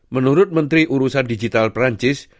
menurut menteri urusan digital perancis